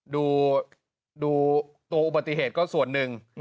ดูตัวอุบัติเหตุก็ส่วนหนึ่ง